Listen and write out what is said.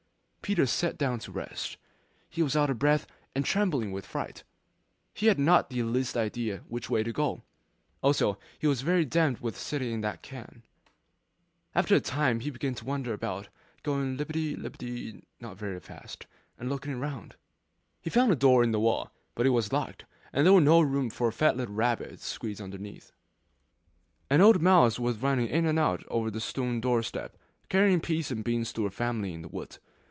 Peter sat down to rest; he was out of breath and trembling with fright, and he had not the least idea which way to go. Also he was very damp with sitting in that can. After a time he began to wander about, going lippity lippity not very fast, and looking all round. He found a door in a wall; but it was locked, and there was no room for a fat little rabbit to squeeze underneath. An old mouse was running in and out over the stone doorstep, carrying peas and beans to her family in the wood.